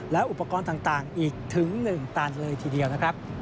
และอุปกรณ์ต่างอีกถึง๑ตันเลยทีเดียวนะครับ